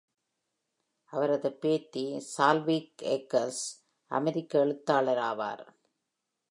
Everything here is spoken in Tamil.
அவரது பேத்தி சால்வீக் எக்கர்ஸ் அமெரிக்க எழுத்தாளராவார்.